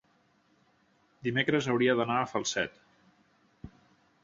dimecres hauria d'anar a Falset.